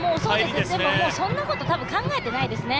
でもそんなこと多分、考えてないですね。